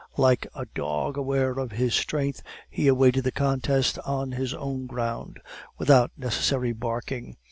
Like a dog aware of his strength, he awaited the contest on his own ground, without necessary barking.